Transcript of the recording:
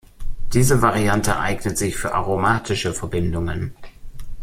Diese Variante eignet sich für aromatische Verbindungen.